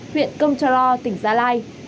huyện công cho lo tỉnh gia lai